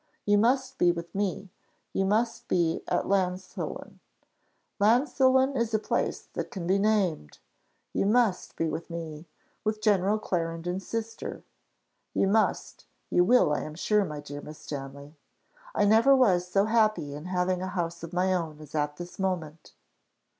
You must be with me; you must be at Llansillen. Llansillen is a place that can be named. You must be with me with General Clarendon's sister. You must you will, I am sure, my dear Miss Stanley. I never was so happy in having a house of my own as at this moment.